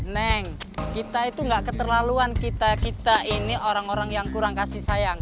neng kita itu gak keterlaluan kita kita ini orang orang yang kurang kasih sayang